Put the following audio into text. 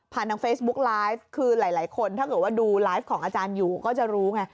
ทางเฟซบุ๊กไลฟ์คือหลายคนถ้าเกิดว่าดูไลฟ์ของอาจารย์อยู่ก็จะรู้ไง